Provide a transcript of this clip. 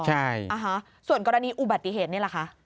ใช่นะคะส่วนกรณีอุบัติเหตุนี่แหละค่ะ